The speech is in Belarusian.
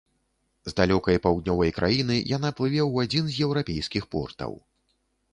З далёкай паўднёвай краіны яна плыве ў адзін з еўрапейскіх портаў.